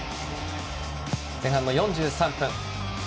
前半４３分。